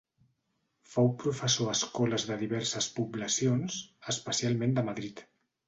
Fou professor a escoles de diverses poblacions, especialment de Madrid.